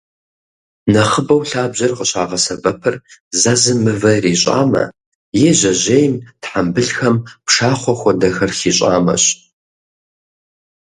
Нэхъыбэу лъабжьэр къыщагъэсэбэпыр зэзым мывэ ирищӏамэ, е жьэжьейм, тхьэмбылхэм пшахъуэ хуэдэхэр хищӏамэщ.